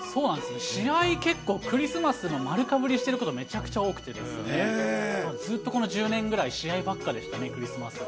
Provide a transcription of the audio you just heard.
試合、結構クリスマスと丸かぶりしていること、めちゃめちゃ多くて、ずっとこの１０年ぐらい、試合ばっかでしたね、クリスマスは。